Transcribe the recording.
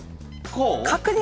こう！